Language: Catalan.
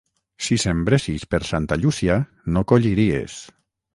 Si sembressis per Santa Llúcia, no colliries.